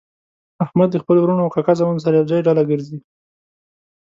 احمد د خپلو ورڼو او کاکا زامنو سره ېوځای ډله ګرځي.